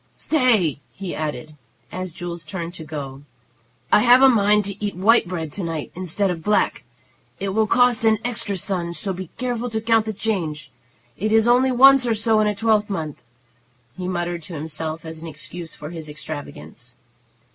Stay!" he added, as Jules turned to go. "I have a mind to eat white bread to night instead of black. It will cost an extra son, so be careful to count the change. It is only once or so in a twelvemonth," he muttered to himself as an excuse for his extravagance.